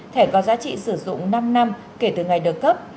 thẻ có giá trị sử dụng năm năm kể từ ngày được cấp